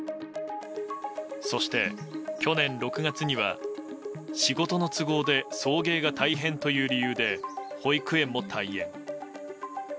そして去年６月には仕事の都合で送迎が大変という理由で保育園も退園。